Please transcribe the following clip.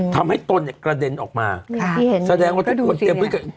ทำให้ตนเนี้ยกระเด็นออกมาค่ะที่เห็นแสดงว่าทุกคนเตรียมพิกัด